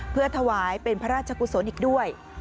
เพื่อถวายเป็นพระราชกุศลอีกด้วย